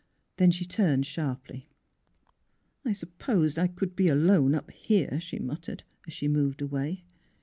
Then she turned sharply. " I supposed I could be alone — up here," she muttered, as she moved away.